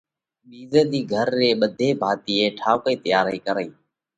ٻِيزئہ ۮِي گھر ري ٻڌي ڀاتِيئي ٺائوڪئِي تيئارئِي ڪرئِي